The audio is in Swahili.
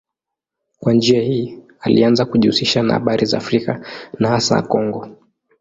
Kwa njia hii alianza kujihusisha na habari za Afrika na hasa Kongo.